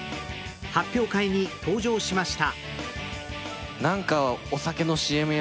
発表会に登場しました。